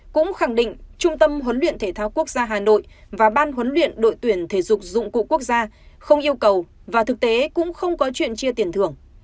cũng khẳng định trung tâm huấn luyện thể thao quốc gia hà nội và ban huấn luyện đội tuyển thể dục dụng cụ quốc gia không yêu cầu và thực tế cũng không có chuyện chia tiền thưởng